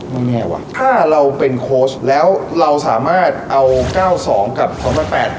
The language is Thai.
ไม่แน่ว่ะถ้าเราเป็นคอร์ชแล้วเราสามารถเอาก้าวสองกับสิบแล้วแปด